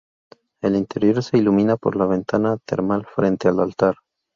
El interior se ilumina por la ventana termal frente al altar.